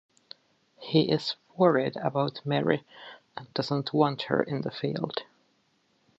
He is worried about Mary and doesn't want her in the field.